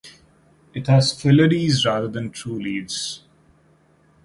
It has phyllodes rather than true leaves.